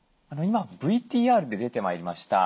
今ＶＴＲで出てまいりました